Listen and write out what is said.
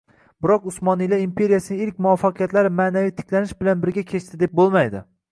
Biroq Usmoniylar imperiyasining ilk muvaffaqiyatlari ma’naviy tiklanish bilan birga kechdi deb bo‘lmaydi